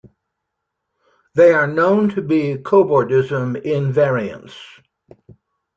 They are known to be cobordism invariants.